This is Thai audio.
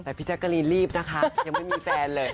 ก็จะรีบนะคะยังไม่มีแฟนเลย